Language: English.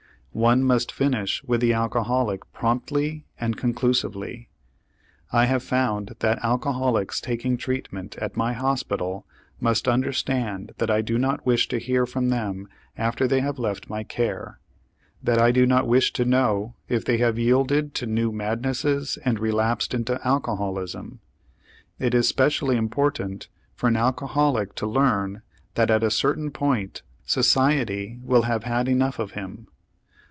One must finish with the alcoholic promptly and conclusively. I have found that alcoholics taking treatment at my hospital must understand that I do not wish to hear from them after they have left my care; that I do not wish to know if they have yielded to new madnesses and relapsed into alcoholism. It is specially important for an alcoholic to learn that at a certain point society will have had enough of him.